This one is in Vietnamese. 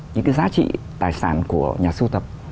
những cái giá trị tài sản của nhà siêu tập